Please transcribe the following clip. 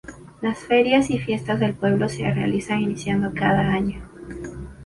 Las ferias y fiestas del pueblo se realizan iniciando cada año.